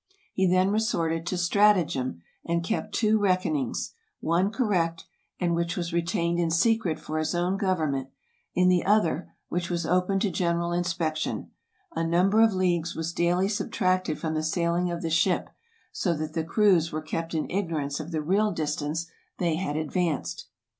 He then resorted to stratagem and kept two reckonings ; one correct, and which was retained in secret for his own government; in the other, which was open to general inspec tion, a number of leagues was daily subtracted from the sail ing of the ship, so that the crews were kept in ignorance of the real distance they had advanced.